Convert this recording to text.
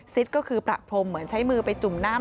ก็คือประพรมเหมือนใช้มือไปจุ่มน้ำ